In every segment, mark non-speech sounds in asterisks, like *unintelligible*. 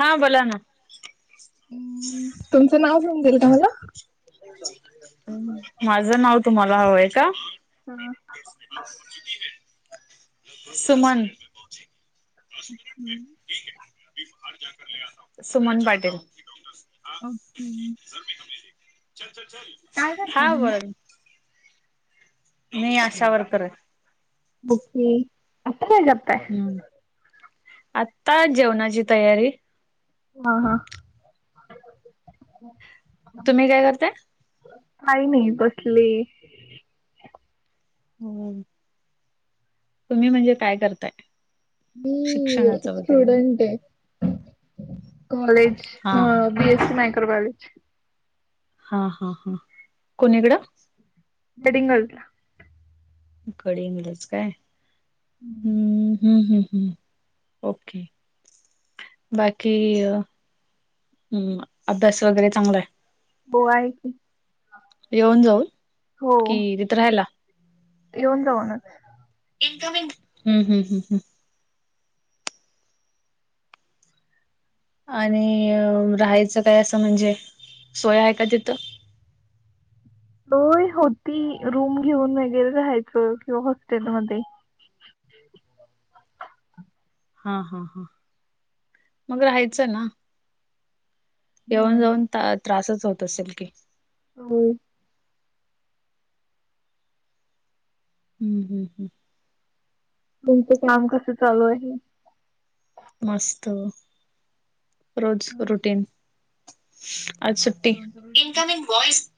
हा बोला ना तुमचं नाव समजल काय मला? *inaudible* माझं नाव तुम्हाला हवंय का? हं सुमन हम सुमन पाटील ओके चल चल चल काय करताय तुम्ही? मी अशा वर्कर *inaudible* हम् आता जेवणाची तयारी हा हा तुम्ही काय करताय? काही नाही बसले. हो तुम्ही म्हणजे काय करताय? मी शिक्षणाचं वगैरे स्टूडंट आहे कॉलेज हा ह हा बी एस सी मायक्रोकॉलेज हा हा हा कुणीकडं गडहिंग्लजच्या गडहिंग्लज काय हम्म हम्म हम् हम् ओके बाकी अभ्यास वगैरे चांगला आहे. बो आहे की येऊन जाऊन हो कि तिथं राहिला येऊन जाऊन च इनकामींग ह् ह् ह ह आणि राहायचं काय असं म्हणजे सोय आहे का तिथं होय होती रूम घेऊन वगैरे राहायचं किंवा हॉस्टेलमध्ये हा हा हा मग राहायचं ना येऊन नाही. जाऊन त त्रासच होत असेल की हो हम्म हम् हम् तुमचं काम कसं चालू आहे मस्त रोज रुटीन कसं आज सुट्टी असतं तुमचं रुटीन? इनकमिंग वॉइस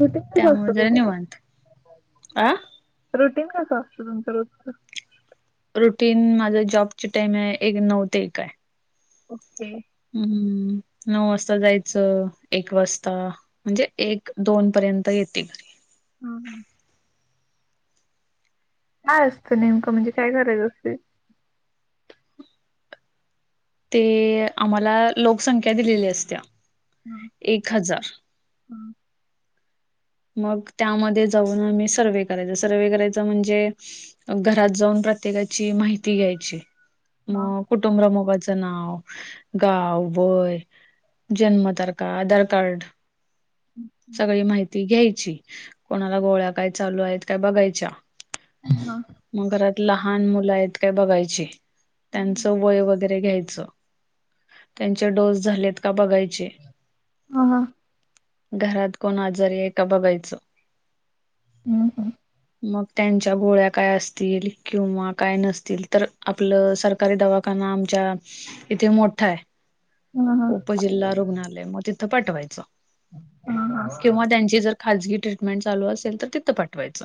रुटीन कसं असत त्यामुळे जरा तुमचं निवांत. अ रुटीन कस असतं तुमचं रोजच रुटीन माझा जॉब ची टाइम आहे एक नऊ ते एक आहे ओके हम्म हम ह नऊ वाजता जायचं एक वाजता म्हणजे एक दोन पर्यंत येते घरी हं, हं. काय असतं नेमकं म्हणजे काय करायच असतय ते आम्हाला लोकसंख्या दिलेली असत्या हा एक हजार मग त्यामध्ये जाऊन आम्ही सर्व्हे करायच सर्व्हे करायच म्हणजे घरात जाऊन प्रत्येकाची माहिती घ्यायची हां, मग कुटुंब प्रमुखाच नाव गाव वय जन्म तारखा आधार कार्ड सगळी माहिती घ्यायची कोणाला गोळ्या काय चालू आहेत काय बघायच्या हां. मग घरात लहान मुलं आहेत काय बघायची त्यांचं वय वगै - गेरे घ्यायच त्यांचे डोस झालेत का बघायचे हा हा घरात कोण आजारी आहे का बघायचं हम हम मग त्यांच्या गोळ्या काय असतील किंवा काय नसतील तर आपलं सारख कारी दवाखाना आमच्या इथे मोठाय हा हां उपजिल्हा रुग्णालय मग तिथं पाठवायचं हा हा किंवा त्यांची जर खाजगी ट्रीटमेंट चालू असेल तर तिथं पाठवायचं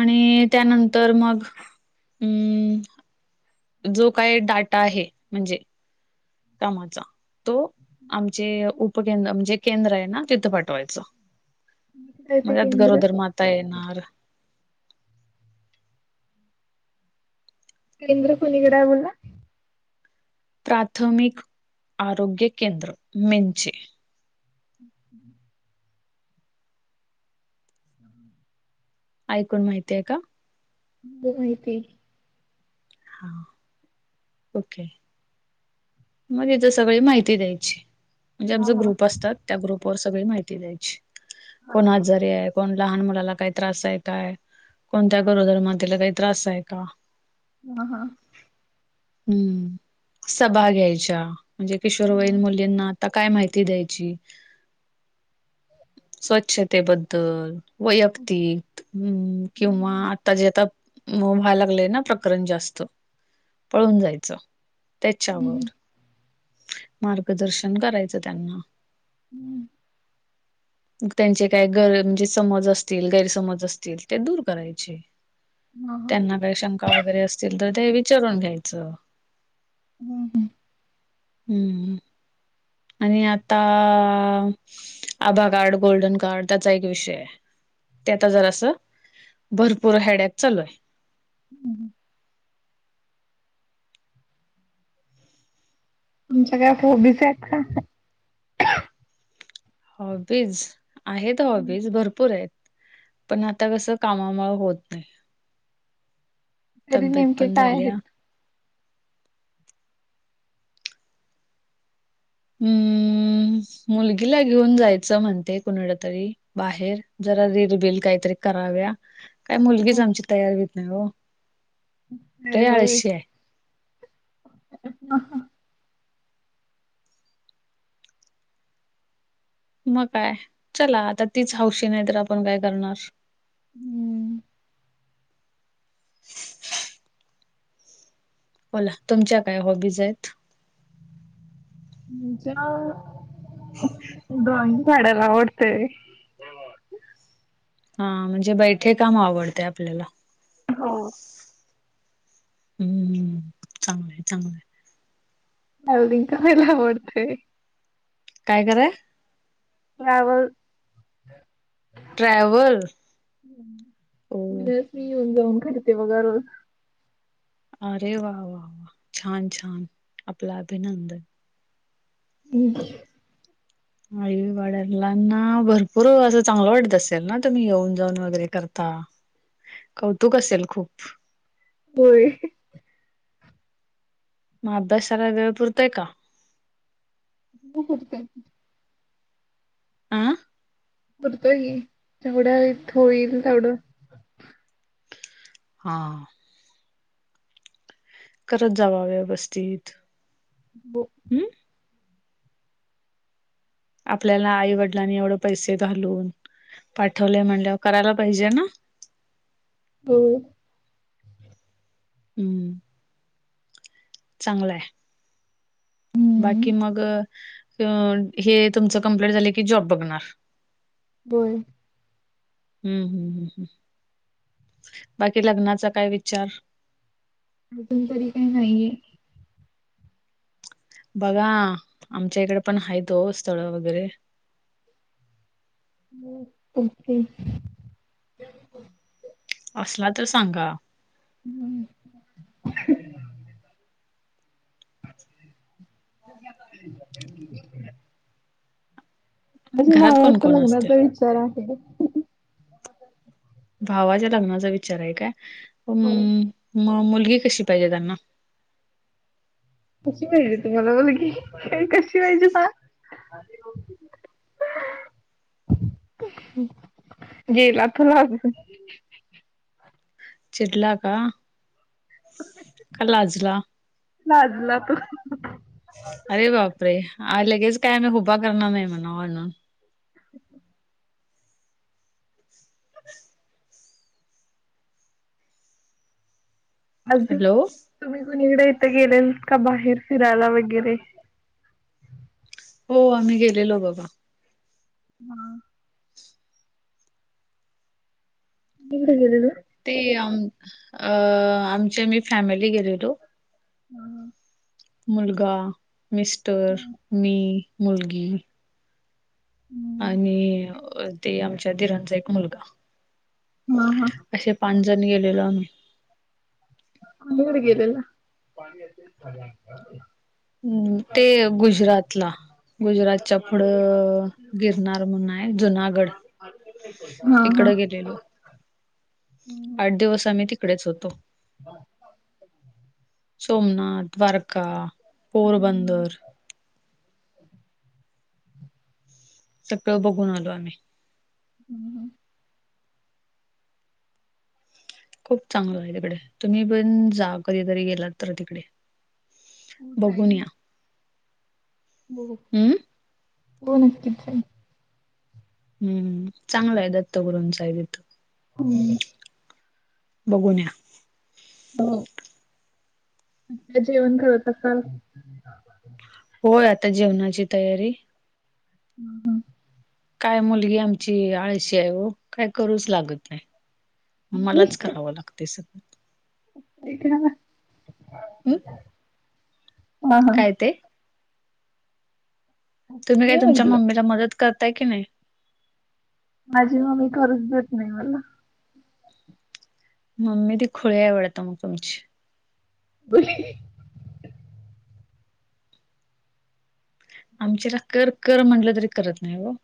आणि त्यानंतर मग अम् जो काय डाटा आहे म्हणजे कामाचा तो आमचे उप उपकें म्हणजे केंद्र आहे ना तिथ पाठवायचं काय म ते त्यात केंद्र? गरोदर माता ता येनार केंद्र कोणीकड हाय म्हणला प्राथमिक आरोग्य केंद्र मेंचे *unintelligible* *inaudible* ऐकून माहितीय का बघू या की हा ओके मग तिथं सगळी माहिती द्यायची, म्हणजे हां, आमचा हां. ग्रुप असतात, त्या ग्रुपवर सगळी माहिती द्यायची. हां, कोण हां. आजारी आहे कोण लहान मुलाला काही त्रास आहे काय, कोणत्या गरोदर मातेला काही त्रास आहे का? हा हा हम्म, सभा घ्यायच्या, म्हणजे किशोरवयीन हां. मुलींना आता काय माहिती द्यायची? स्वच्छतेबद्दल वैयक्तिक हम्म हं, किंवा हं. आता जे आता मऊ व्हाय लागलंय ना प्रकरण जास्त, पळून जायचं हं, त्याच्यावर मार्गदर्शन करायचं त्यांना. हम्म त्यांचे काय गर म्हणजे समज असतील, गैरसमज असतील ते दूर करायचे. हां, हां. त्यांना काही शंका वगैरे असतील तर ते विचारून घ्यायचं. हम्म हम्म हम्म हम्म, आणि आता आभा कार्ड, गोल्डन कार्ड त्याचा एक विषय आहे. ते आता जरासं, भरपूर हेडअँक चालूय. हम्म तुमच्या काय हॉबीज आहेत का? हॉबीज, आहेत हं. हॉबीज भरपूर आहेत. पण आता कसं कामामुळे होत नाही. तरी तब्येत नेमके पण काय झाल्या. आहेत? हम्म मुलगीला घेऊन जायचं म्हणते कुणीकड तरी. बाहेर, जरा रिलबिल काहीतरी कराव्या. काय हो, मुलगीच आमची तयार होत नाही हो, होय, लय होय. आळशी आहे. मग काय, चला आता तीच हौशी नाही तर आपण काय करणार? हं. *inaudible* बोला, तुमच्या काय हॉबीज आहेत? म्हणजे, ड्रॉईंग काढायला आवडते. हा म्हणजे बैठे काम आवडतंय आपल्याला. हो हम्म, चांगलंय चांगलंय. ट्रॅव्हलिंग करायला आवडतंय. काय कराय? ट्रॅव्हल ट्रॅव्हल ओ बसनी येऊन जाऊन करते बघा रोज. अरे वा वा वा, छान छान आपलं अभिनंदन. हम्म आई-वडलांना भरपूर असं चांगलं वाटत असेल ना, तुम्ही येऊन जाऊन वगैरे करता? कौतुक असेल खूप? होय. मग अभ्यासाला वेळ पुरतंय का? *unintelligible* आ पुरतोय की, जेवढ्या *unintelligible* होईल तेवढं. हा करत जावा व्यवस्थित. बो हम्म आपल्याला आईवडिलांनी एवढं पैसे घालून, पाठवले म्हणल्यावर करायला पाहिजे ना? हो हम्म चांगलय. बाकी हम्म मग अ हे- तुमचं कंप्लीट झाले की जॉब बघणार. बोल. हम्म हम्म हम् हम्. बाकी लग्नाचा काय विचार? अजून तरी काही नाहीये. बघा, आमच्या इकडे पण आहेत हो स्थळ वगैरे. *unintelligible* *unintelligible* असला तर सांगा. हम्म. *inaudible* माझ्या घरात कोण भावाच्या कोण असते लग्नाचा विचार आहे. भावाच्या लग्नाचा विचार आहे काय? म मुलगी कशी पाहिजे त्यांना? कशी पाहिजे तुम्हाला मुलगी? कशी पाहिजे का? *unintelligible* गेला तो लाजून. चिडला का? का लाजला? लाजला तो. अरे बापरे! लगेच काय आम्ही ह उभा करणार नाही म्हणा *unintelligible* अजून हॅलो तुम्ही कुणीकडे इथं गेलेल का? बाहेर फिरायला वगैरे. हो. आम्ही गेलेलो बाबा. हं. *unintelligible* गेलेले. ते अं. अ आम आमच्या मी फॅमिली गेलेलो. हं. मुलगा, मिस्टर, मी, मुलगी. हम. आणि ते आमच्या दिरांचा एक मुलगा. हा हा. असे पाच जण गेलेलो आम्ही. *unintelligible* गेलेले? हम्म. ते गुजरातला. गुजरातच्या पुढं गिरनार म्हणून आहे जुनागढ. तिकडं गेलेलो. हम्. आठ दिवस आम्ही तिकडेच होतो. हा. सोमनाथ, द्वारका, हम्म. पोरबंदर. सगळं बघून आलो आम्ही. हम्म हम्म. खूप चांगल आहे तिकडे. तुम्ही पण जा कधीतरी गेलात तर तिकडे. हो जाईन बघून न. या बघू. हम्म हो नक्कीच जाईन. हम्म. चांगलंय दत्तगुरूंचा विठू. हम्म. बघून या. हो. जेवण *unintelligible* होय. आता जेवणाची तयारी. हम्म. काय मुलगी आमची आळशी आहे हो. काय करूच लागत नाही. मलाच करावं लागतय सगळ. *unintelligible* हम हा हा तुम्ही ओके काही तुमच्या म्हटलं मम्मीला मदत करताय की नाही? माझी मम्मी खरच देत नाही मला. मम्मी ती खुली आहे वाट मग तुमची. बोली आमच्याला कर कर म्हटलं तरी करत नाही ग.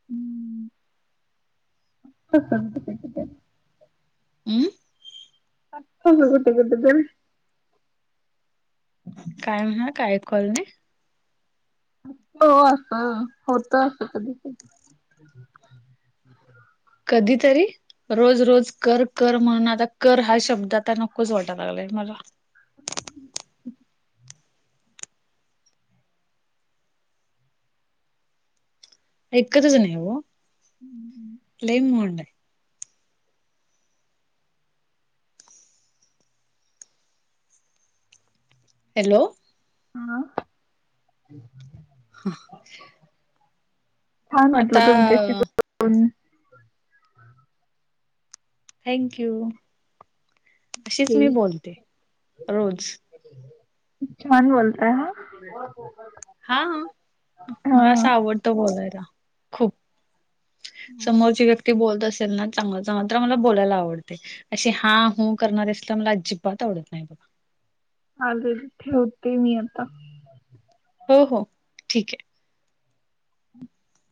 हम् त *unintelligible* हमं *unintelligible* काय म्हणा काय ऐकू आला नाही. हो असं होत असं कधी कध कधीतरी रोज रोज कर कर म्हणून आता कर हा शब्द आता नकोच वाटायला लागलाय मला. एककतच नाही हम्म *unintelligible* *unintelligible* हॅलो हा हा छान आता म्हटलं तुमच्या बोलून. थँंक यू अशीच मी बोलते रोज. छान बोलताय ह. हा मला असं आवडतं बोलायला खूप. समोरची व्यक्ती बोलत असेल ना चांगलं चांगलं तर मला बोलायला आवडते अशी हा हू करणार अस तर मला अजिबात आवडत नाही बघ. चालेल ठेवते मी आता. ह हो हो ठीक आहे. हम्